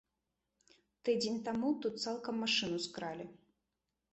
Тыдзень таму тут цалкам машыну скралі.